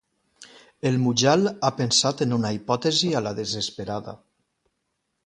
El Mujal ha pensat en una hipòtesi a la desesperada.